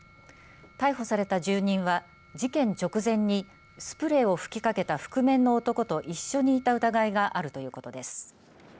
逮捕された住人は事件直前にスプレーを吹きかけた覆面の男と一緒にいた疑いがあるということです。